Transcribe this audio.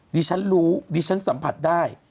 ดิฉันรู้ดิฉันสัมผัสได้